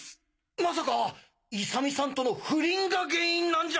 まさか勇美さんとの不倫が原因なんじゃ！